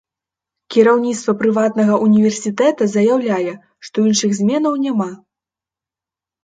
Кіраўніцтва прыватнага ўніверсітэта заяўляе, што іншых зменаў няма.